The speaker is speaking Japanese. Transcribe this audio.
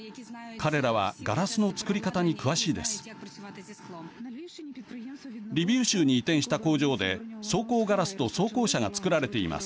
彼らはガラスの作り方に詳しいです。